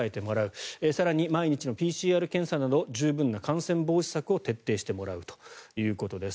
そして毎日のＰＣＲ検査など十分な感染防止策を徹底してもらうということです。